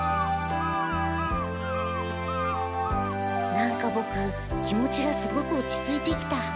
なんかボク気持ちがすごく落ち着いてきた。